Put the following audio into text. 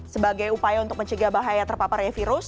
sebagai upaya untuk mencegah bahaya terpaparnya virus